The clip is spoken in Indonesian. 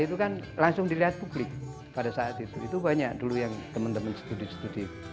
itu kan langsung dilihat publik pada saat itu